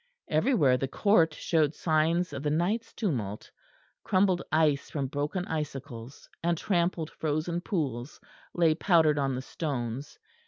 Everywhere the court showed signs of the night's tumult. Crumbled ice from broken icicles and trampled frozen pools lay powdered on the stones.